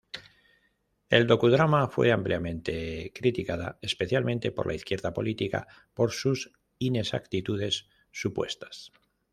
El docudrama fue ampliamente criticada, especialmente por la izquierda política, por sus inexactitudes supuestas.